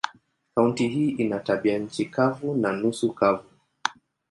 Kaunti hii ina tabianchi kavu na nusu kavu.